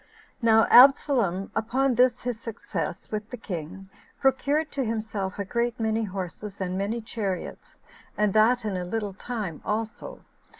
1. Now Absalom, upon this his success with the king, procured to himself a great many horses, and many chariots, and that in a little time also.